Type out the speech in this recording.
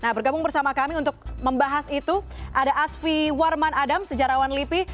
nah bergabung bersama kami untuk membahas itu ada asfi warman adam sejarawan lipi